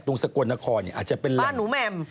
ตรงสกลนครเนี่ยอาจจะเป็นแหล่งบ้านหนูแม่ม